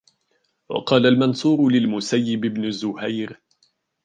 وَقَالَ الْمَنْصُورُ لِلْمُسَيِّبِ بْنِ زُهَيْرٍ